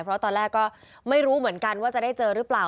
เพราะตอนแรกก็ไม่รู้เหมือนกันว่าจะได้เจอหรือเปล่า